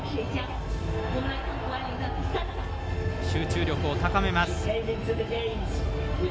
集中力を高めます。